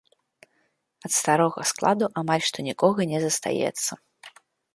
Ад старога складу амаль што нікога не застаецца.